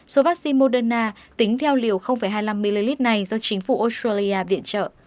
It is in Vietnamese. số vaccine moderna tính theo liều hai mươi năm ml này do chính phủ australia viện trợ